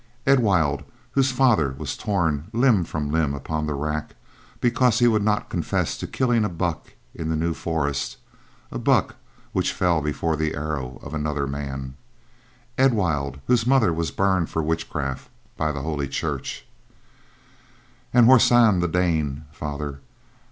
Edwild, whose father was torn limb from limb upon the rack because he would not confess to killing a buck in the new forest, a buck which fell before the arrow of another man; Edwild, whose mother was burned for witchcraft by Holy Church. "And Horsan the Dane, Father.